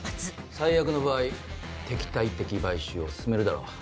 最悪の場合敵対的買収を進めるだろう。